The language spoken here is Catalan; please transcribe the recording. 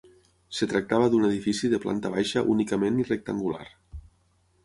Es tractava d'un edifici de planta baixa únicament i rectangular.